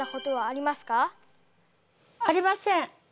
ありません。